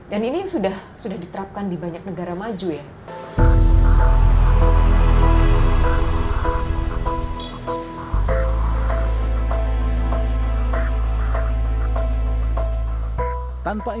dan ini sudah diterapkan di banyak negara maju ya